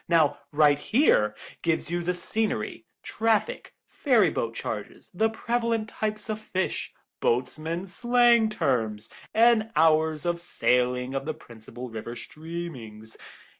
Now Right Here gives you the scenery, traffic, ferry boat charges, the prevalent types of fish, boatmen's slang terms, and hours of sailing of the principal river steamers.